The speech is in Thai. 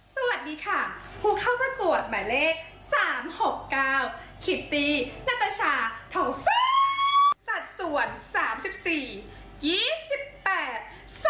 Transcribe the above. สวัสดีค่ะผู้เข้าประกวดหมายเลขสามหกเก้าขิตี้นะตาชาสัตว์ส่วนสามสิบสี่ยี่สิบแปด